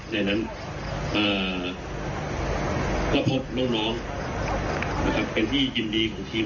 ในนั้นเอ่อแล้วพบน้องน้องนะครับเป็นที่ยินดีของทีม